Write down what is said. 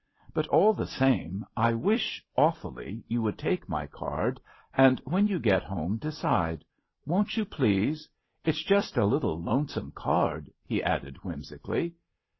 But all the same, I wish, awfully, you would take my card and when you get home decide. Won't you, please ? It's just a little, lonesome card," he added, whimsically.